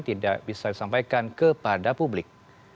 tidak bisa disampaikan kepada publik